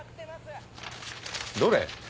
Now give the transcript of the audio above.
どれ？